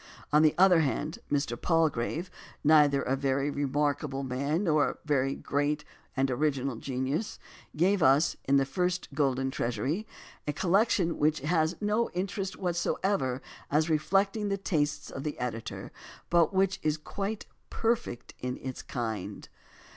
On the other hand, Mr. Palgrave, neither a very remarkable man nor a great and original genius, gave us in the first Golden Treas ury a collection which has no interest whatever as re flecting the tastes of the editor, but which is quite perfect in its kind.